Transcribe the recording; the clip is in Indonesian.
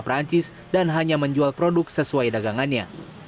perancis dan hanya menjual produk sesuai dagangannya